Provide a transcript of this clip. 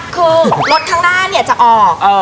คือรถข้างหน้าเนี่ยจะออก